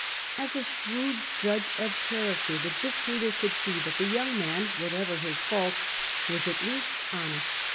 As a shrewd judge of character, the dictator could see that the young man, whatever his faults, was at least honest.